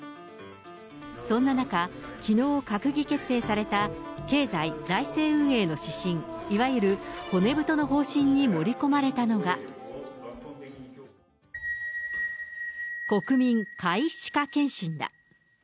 そんな中、きのう閣議決定された経済財政運営の指針、いわゆる骨太の方針に盛り込まれたのが、国民皆歯科健診だ。